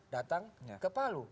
datang ke palu